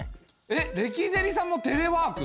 えっレキデリさんもテレワーク？